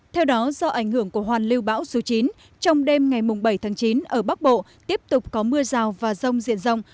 theo đó do ảnh hưởng của hoàn lưu bão số chín trong đêm ngày bảy tháng chín ở bắc bộ tiếp tục có mưa rào và rông diện rộng